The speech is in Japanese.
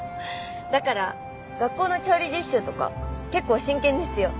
だから学校の調理実習とか結構真剣ですよ。